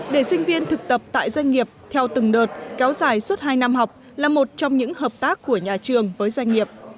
để sinh viên thực tập tại doanh nghiệp theo từng đợt kéo dài suốt hai năm học là một trong những hợp tác của nhà trường với doanh nghiệp